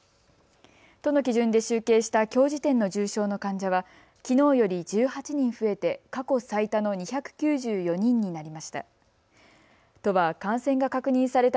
都の基準で集計したきょう時点の重症の患者はきのうより１８人増えて過去最多の２９４人になりました。